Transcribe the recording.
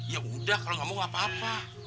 ya udah kalau nggak mau nggak apa apa